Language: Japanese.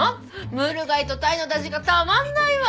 ムール貝とタイの出汁がたまんないわ！